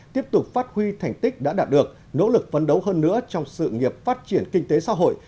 tiếp tục phát huy thành tích đã đạt được nỗ lực phấn đấu hơn nữa trong sự nghiệp phát triển kinh tế xã hội